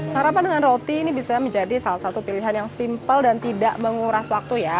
sarapan dengan roti ini bisa menjadi salah satu pilihan yang simpel dan tidak menguras waktu ya